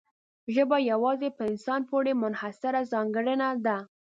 ژبه یوازې په انسان پورې منحصره ځانګړنه ده.